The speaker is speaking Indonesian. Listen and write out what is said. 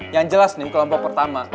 yang jelas nih kelompok pertama